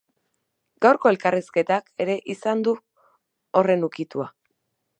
Gaurko elkarrizketak ere izan du horren ukitua.